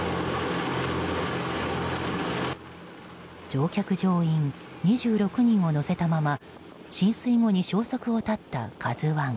乗客・乗員２６人を乗せたまま浸水後に消息を絶った「ＫＡＺＵ１」。